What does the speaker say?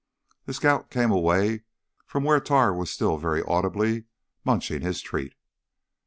The scout came away from where Tar was still very audibly munching his treat.